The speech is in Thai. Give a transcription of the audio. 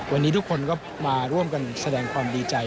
วันนี้ทุกคนก็มาร่วมกันแสดงความดีใจ